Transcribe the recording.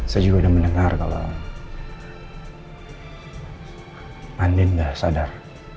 saya juga udah mendengar kalau andin tidak sadar